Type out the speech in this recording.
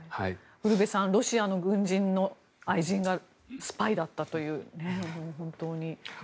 ウルヴェさんロシアの軍人の愛人がスパイだったという。